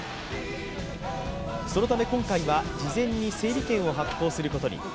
そのため今回は事前に整理券を発行することに。